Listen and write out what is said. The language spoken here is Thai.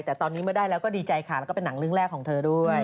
แต่ตอนนี้เมื่อได้แล้วก็ดีใจค่ะแล้วก็เป็นหนังเรื่องแรกของเธอด้วย